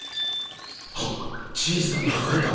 はっ小さな赤い玉。